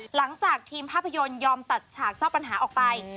หลังจากทีมภาพยนตร์ยอมตัดฉากเจ้าปัญหาออกไป